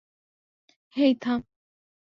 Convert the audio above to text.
হেই, থাম।